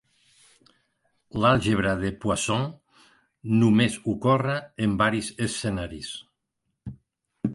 L'àlgebra de Poisson només ocorre en varis escenaris.